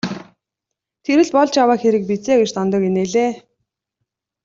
Тэр л болж яваа хэрэг биз ээ гэж Дондог хэлээд инээлээ.